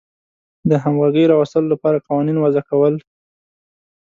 د همغږۍ راوستلو لپاره قوانین وضع کول.